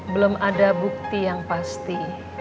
belum ada bukti yang pasti